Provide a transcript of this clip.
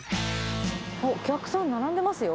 あっ、お客さん並んでますよ。